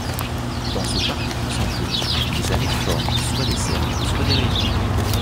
Dans ce parc concentrique, les allées forment soit des cercles soit des rayons.